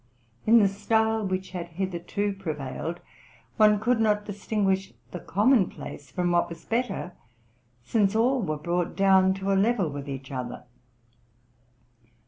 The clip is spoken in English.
In the style which had hitherto prevailed, one could not distinguish the commonplace from what was better; since all were brought down to a level with each other.